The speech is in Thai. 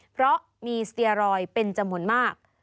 เพราะมีสเตียรอยด์เป็นจำนวนมาก